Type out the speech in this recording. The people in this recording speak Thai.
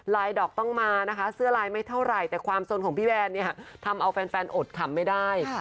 ดอกต้องมานะคะเสื้อลายไม่เท่าไหร่แต่ความสนของพี่แวนเนี่ยทำเอาแฟนอดขำไม่ได้